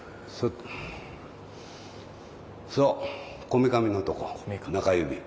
こめかみのとこ中指。